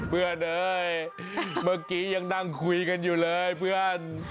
เอ้ยเมื่อกี้ยังนั่งคุยกันอยู่เลยเพื่อน